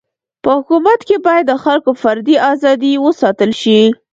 په حکومت کي باید د خلکو فردي ازادي و ساتل سي.